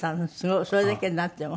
それだけになっても？